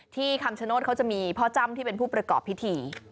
คำชโนธเขาจะมีพ่อจ้ำที่เป็นผู้ประกอบพิธี